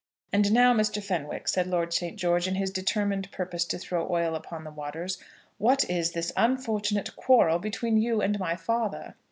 "And now, Mr. Fenwick," said Lord St. George, in his determined purpose to throw oil upon the waters, "what is this unfortunate quarrel between you and my father?"